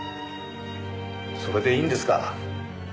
それでいいんですか？